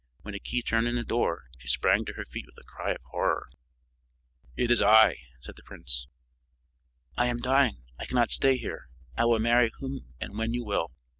When a key turned in a door, she sprang to her feet with a cry of horror. "It is I," said the prince. "I am dying; I cannot stay here; I will marry whom and when you will."